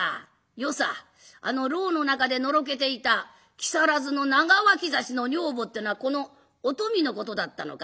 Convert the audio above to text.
与三あの牢の中でのろけていた木更津の長脇差しの女房ってのはこのお富のことだったのか？